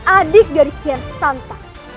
adik dari kiersanta